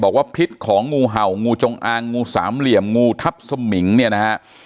พิษของงูเห่างูจงอางงูสามเหลี่ยมงูทับสมิงเนี่ยนะฮะ